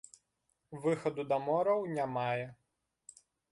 Выхаду да мораў не мае.